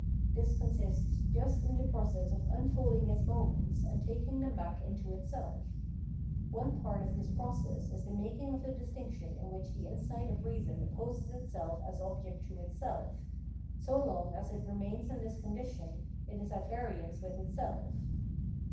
This consists just in the process of unfolding its moments and taking them back into itself. One part of this process is the making of the distinction in which the insight of reason opposes itself as object to itself ; so long as it remains in this condition, it is at variance wdth itself.